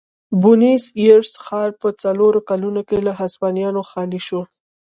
بونیس ایرس ښار په څلورو کلونو کې له هسپانویانو خالي شو.